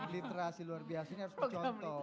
literasi luar biasa ini harus dicontoh